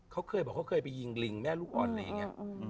เขาเคยบอกเขาเคยไปยิงลิงแม่ลูกอ่อนอะไรอย่างนี้